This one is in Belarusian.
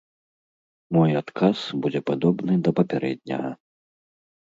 Мой адказ будзе падобны да папярэдняга.